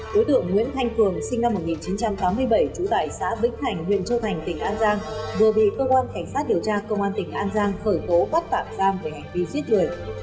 đối tượng nguyễn thanh cường sinh năm một nghìn chín trăm tám mươi bảy trú tại xã vĩnh hành huyện châu thành tỉnh an giang vừa bị cơ quan cảnh sát điều tra công an tỉnh an giang khởi tố bắt tạm giam về hành vi giết người